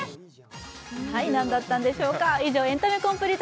何だったんでしょうか。